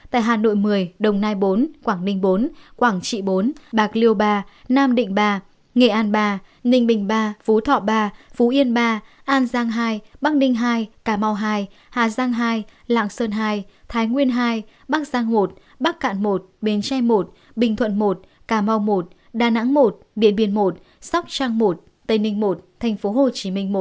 tại hà nội một mươi đồng nai bốn quảng ninh bốn quảng trị bốn bạc liêu ba nam định ba nghệ an ba ninh bình ba phú thọ ba phú yên ba an giang hai bắc ninh hai cà mau hai hà giang hai lạng sơn hai thái nguyên hai bắc giang một bắc cạn một bến tre một bình thuận một cà mau một đà nẵng một biển biên một sóc trang một tây ninh một tp hcm một